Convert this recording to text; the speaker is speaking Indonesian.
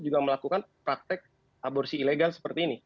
juga melakukan praktek aborsi ilegal seperti ini